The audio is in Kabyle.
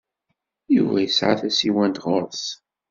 Yuba yesɛa tasiwant ɣer-s.